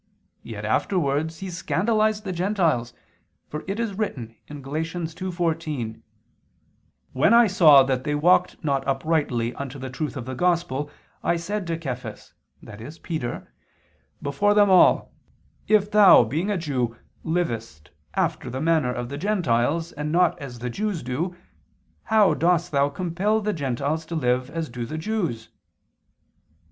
Yet afterwards he scandalized the gentiles: for it is written (Gal. 2:14): "When I saw that they walked not uprightly unto the truth of the Gospel, I said to Cephas," i.e. Peter, "before them all: If thou being a Jew, livest after the manner of the gentiles, and not as the Jews do, how dost thou compel the gentiles to live as do the Jews?"